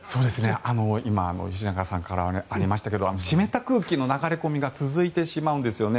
今吉永さんからありましたけど湿った空気の流れ込みが続いてしまうんですよね。